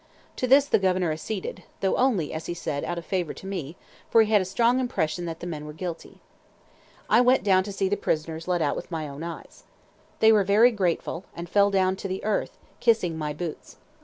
To this the Governor acceded, though only, as he said, out of favour to me, for he had a strong impression that the men were guilty. I went down to see the prisoners let out with my own eyes. They were very grateful, and fell down to the earth, kissing my boots.